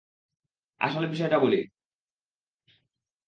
আসল বিষয়টা বলি।